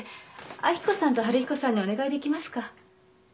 明子さんと春彦さんにお願いできますか？